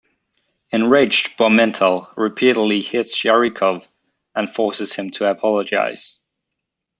Enraged, Bormenthal repeatedly hits Sharikov and forces him to apologize.